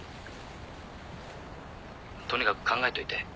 とにかく考えといて。